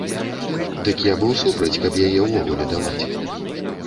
Дык я быў супраць, каб яе ўвогуле даваць.